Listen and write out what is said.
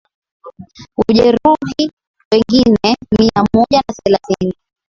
ujeruhi wengine mia moja na thelathini